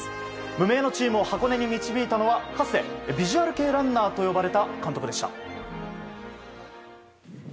無名のチームを箱根に導いたのはかつてビジュアル系ランナーと呼ばれた監督でした。